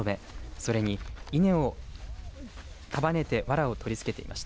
それに、稲を束ねてわらを取り付けていました。